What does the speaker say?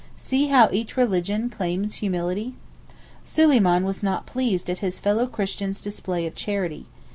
(See how each religion claims humility.) Suleyman was not pleased at his fellow christian's display of charity.